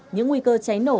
những nguy cơ cháy nổ